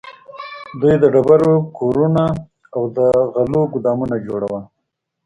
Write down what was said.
دوی د ډبرو کورونه او د غلو ګودامونه جوړول.